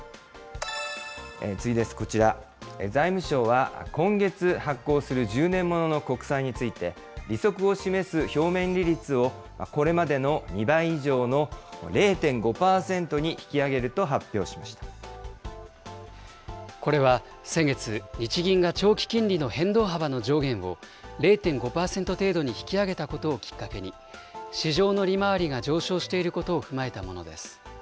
次です、こちら、財務省は今月発行する１０年ものの国債について、利息を示す表面利率をこれまでの２倍以上の０．５％に引き上げるこれは先月、日銀が長期金利の変動幅の上限を、０．５％程度に引き上げたことをきっかけに、市場の利回りが上昇していることを踏まえたものです。